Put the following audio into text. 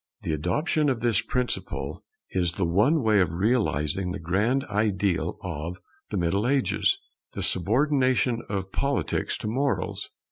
The adoption of this principle is the one way of realizing the grand ideal of the Middle Ages, the subordination of Politics to Morals.